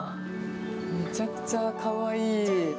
めちゃくちゃかわいい。